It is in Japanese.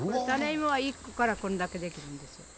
種イモは１個からこんだけできるんです。